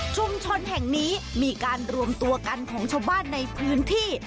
ชุมชนแห่งนี้มีการรวมตัวกันของชาวบ้านในพื้นที่